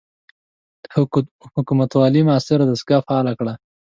د حکومتوالۍ معاصره دستګاه فعاله کړه.